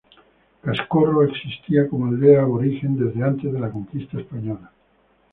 Cascorro existía como aldea aborigen desde antes de la conquista española.